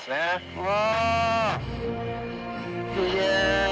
うわ。